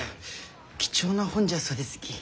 貴重な本じゃそうですき。